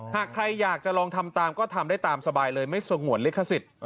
หากใครอยากจะลองทำตามก็ทำได้ตามสบายเลยไม่สงวนลิขสิทธิ์